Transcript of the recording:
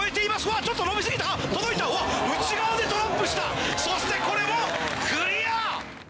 わっちょっとのびすぎたか届いたわっ内側でトラップしたそしてこれもクリア！